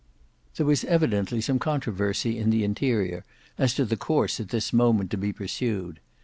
There was evidently some controversy in the interior as to the course at this moment to be pursued.